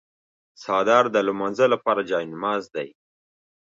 څادر د لمانځه لپاره جای نماز دی.